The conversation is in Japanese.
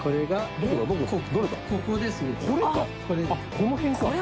この辺か。